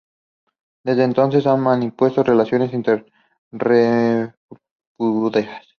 Desde entonces han mantenido relaciones ininterrumpidas.